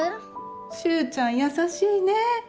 秀ちゃん優しいねえ。